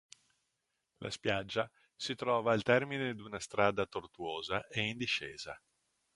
La spiaggia si trova al termine di una strada tortuosa e in discesa.